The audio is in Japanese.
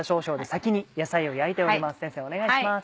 先生お願いします。